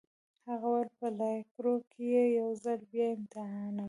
هغه وویل: په لایریکو کي يې یو ځل بیا امتحانوم.